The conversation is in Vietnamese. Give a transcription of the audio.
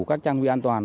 các trang thân vị an toàn